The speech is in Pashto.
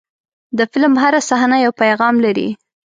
د فلم هره صحنه یو پیغام لري.